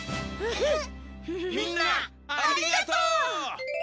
みんなありがとう！